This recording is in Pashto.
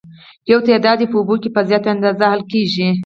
یو تعداد یې په اوبو کې په زیاته اندازه حل کیږي.